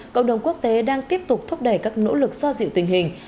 cộng đồng quốc tế đang tiếp tục thúc đẩy các nỗ lực xoa dịu tình hình